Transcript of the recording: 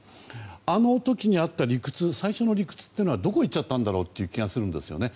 あの時にあった理屈最初の理屈というのはどこいっちゃったんだろうという気がするんですよね。